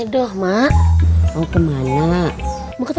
te mau missin ke indonesia